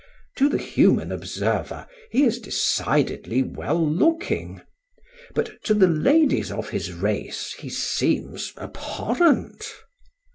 To the human observer, he is decidedly well looking; but to the ladies of his race he seems abhorrent.